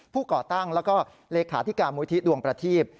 ก่อตั้งแล้วก็เลขาธิการมูลที่ดวงประทีป